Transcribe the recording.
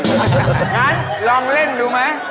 งั้นลองเล่นดูไหม